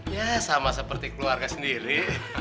ya sama seperti keluarga sendiri